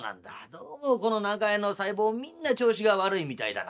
どうもこの長屋の細胞みんな調子が悪いみたいだが」。